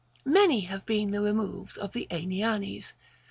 Many have been the removes of the Aenianes.